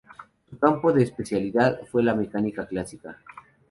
Su campo de especialidad fue la mecánica clásica.